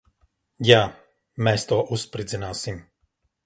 Jā. Mēs to uzspridzināsim.